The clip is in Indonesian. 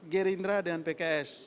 gerindra dan pks